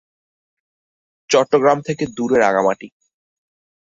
চট্টগ্রাম থেকে দূরে রাঙ্গামাটি।